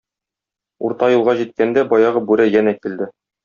Урта юлга җиткәндә баягы бүре янә килде.